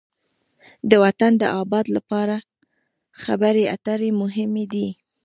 د وطن د آباد لپاره خبرې اترې مهمې دي.